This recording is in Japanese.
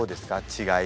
違い。